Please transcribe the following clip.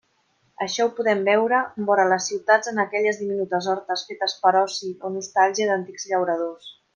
Això ho podem veure vora les ciutats en aquelles diminutes hortes fetes per oci o nostàlgia d'antics llauradors.